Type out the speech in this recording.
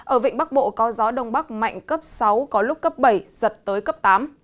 ở vịnh bắc bộ có gió đông bắc mạnh cấp sáu có lúc cấp bảy giật tới cấp tám